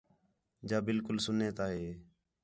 جا بالکل سُنّے تا ہِے